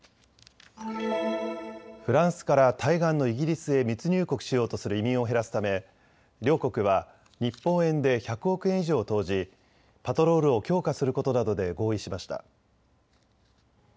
フランスから対岸のイギリスへ密入国しようとする移民を減らすため、両国は日本円で１００億円以上を投じパトロールを強化することなどで合意しました。